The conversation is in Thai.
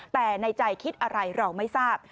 แต่ในใจคิดอะไรเราไม่ทราบ